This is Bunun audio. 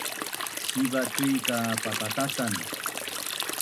siva’ cui ka papatasan